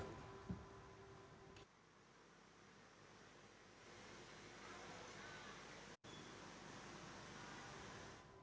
kedua jawa barat menempatkan kondisi perusahaan yang berlaku di jawa barat